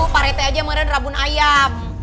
pak rete aja meren rabun ayam